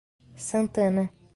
Santana